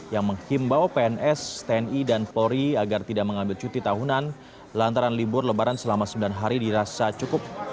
yang menghimbau pns tni dan polri agar tidak mengambil cuti tahunan lantaran libur lebaran selama sembilan hari dirasa cukup